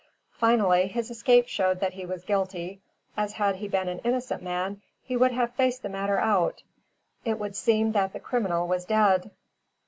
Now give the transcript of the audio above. Finally, his escape showed that he was guilty, as had he been an innocent man, he would have faced the matter out. It would seem that the criminal was dead.